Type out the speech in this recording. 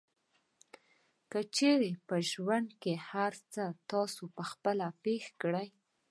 که چېرې په ژوند کې هر څه تاسې خپله پېښ کړئ.